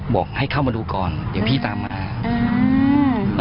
บอกให้เข้ามาดูก่อนเดี๋ยวพี่ตามมาอืม